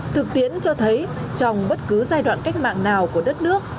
thực tiễn cho thấy trong bất cứ giai đoạn cách mạng nào của đất nước